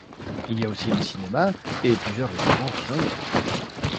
Il y a aussi un cinéma et plusieurs restaurants renommés.